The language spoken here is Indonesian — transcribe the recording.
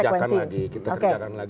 itu harus kita kerjakan lagi